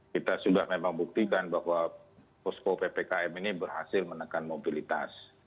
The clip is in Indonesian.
kita sudah memang buktikan bahwa posko ppkm ini berhasil menekan mobilitas